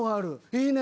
いいね。